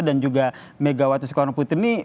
dan juga megawati soekarnoputri ini